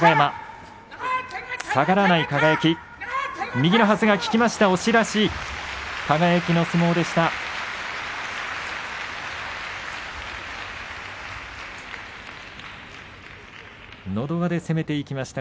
右のはずが効きました、押し出し輝の相撲でした。